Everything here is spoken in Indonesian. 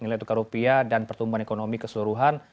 nilai tukar rupiah dan pertumbuhan ekonomi keseluruhan